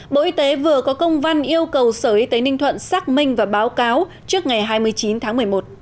bộ y tế vừa có công văn yêu cầu sở y tế ninh thuận xác minh và báo cáo trước ngày hai mươi chín tháng một mươi một